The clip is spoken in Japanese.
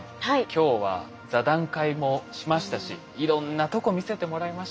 今日は座談会もしましたしいろんなとこ見せてもらいました。